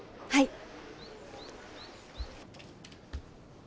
はい。